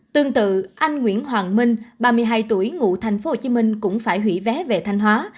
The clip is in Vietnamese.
tương tự anh nguyễn hoàng minh ba mươi hai tuổi ngụ thành phố hồ chí minh cũng phải hủy vé về thanh hóa